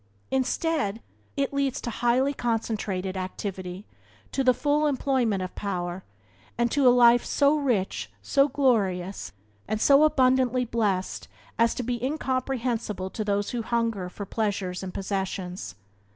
Instead, it leads to highly concentrated activity, to the full employment of power, and to a life so rich, so glorious, and so abundantly blessed as to be incomprehensible to those who hunger for pleasures and possessions.